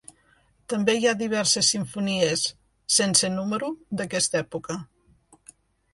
També hi ha diverses simfonies "sense número" d'aquesta època.